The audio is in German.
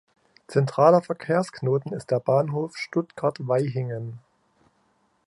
Zentraler Verkehrsknoten ist der Bahnhof Stuttgart-Vaihingen.